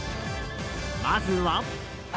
まずは。